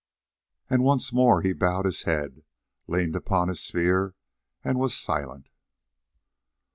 And once more he bowed his head, leaned upon his spear, and was silent.